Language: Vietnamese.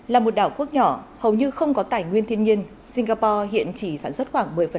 là một đảo quốc nhỏ hầu như không có tài nguyên thiên nhiên singapore hiện chỉ sản xuất khoảng một mươi